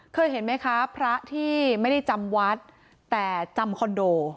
เคยเห็นไหมคะพระที่ไม่ได้จำวัดแต่จำคอนโด